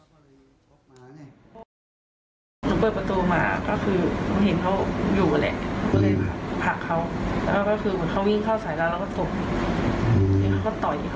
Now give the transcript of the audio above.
แล้วก็คือเขาวิ่งเข้าสายร้านแล้วก็ตกที่เขาก็ต่อยเขาก็ไม่รู้